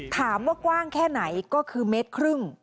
ถามว่ากว้างแค่ไหนก็คือ๑๕เมตร